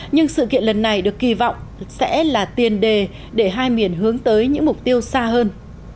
nhưng sự kiện lần này được kỳ vọng sẽ là tiền đề để hai miền hướng tới những mục tiêu xa hơn